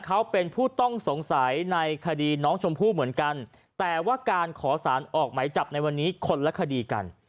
เขาเป็นผู้ต้องสงสัยในคดีน้องชมพู่เหมือนกันแต่ว่าการขอสารออกไหมจับในวันนี้คนละคดีกัน